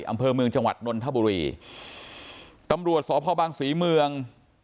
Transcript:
อำเภอเมืองจังหวัดนนทบุรีตำรวจสพบังศรีเมือง